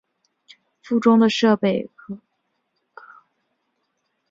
附中的设施和设备取得了长足的发展。